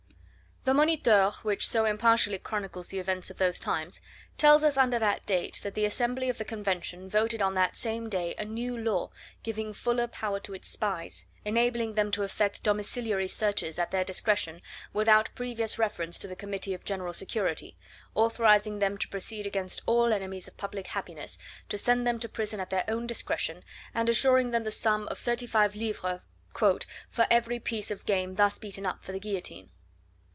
The Moniteur, which so impartially chronicles the events of those times, tells us under that date that the Assembly of the Convention voted on that same day a new law giving fuller power to its spies, enabling them to effect domiciliary searches at their discretion without previous reference to the Committee of General Security, authorising them to proceed against all enemies of public happiness, to send them to prison at their own discretion, and assuring them the sum of thirty five livres "for every piece of game thus beaten up for the guillotine."